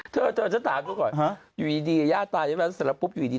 เธอจะถามกูก่อนอยู่ดีย่าตายแล้วแสดงปุ๊บอยู่ดี